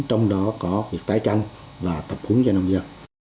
trong đó có việc tái tranh và tập hướng cho nông nghiệp